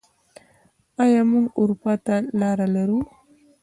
آیا موږ اروپا ته لاره لرو؟